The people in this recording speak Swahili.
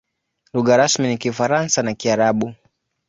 Lugha rasmi ni Kifaransa na Kiarabu.